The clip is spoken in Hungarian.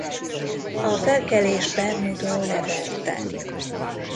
A felkelést Bermudo leverte.